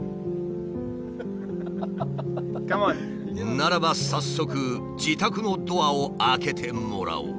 ならば早速自宅のドアを開けてもらおう。